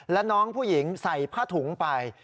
และน้องผู้หญิงใส่ผ้าถุงไป